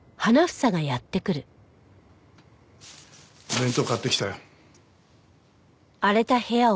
弁当買ってきたよ。